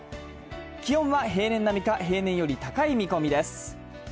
気温は平年並みか、平年より高い見込みです。